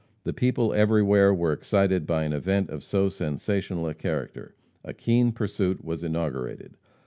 The people everywhere were excited by an event of so sensational a character. A keen pursuit was inaugurated.